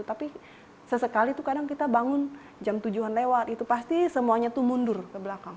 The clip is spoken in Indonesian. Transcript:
tapi sesekali itu kadang kita bangun jam tujuh an lewat itu pasti semuanya tuh mundur ke belakang